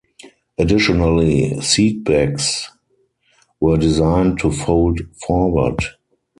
Additionally, seatbacks were designed to fold forward.